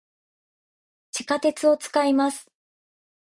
地下鉄を、使います。